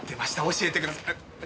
教えてくださ。